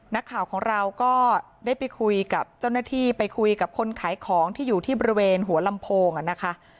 นักข่าวของเราก็ได้ไปคุยกับเจ้าหน้าที่ไปคุยกับคนขายของที่อยู่ที่บริเวณหัวลำโพงนะคะ